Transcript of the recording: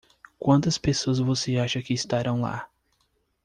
Quantas pessoas você acha que estarão lá?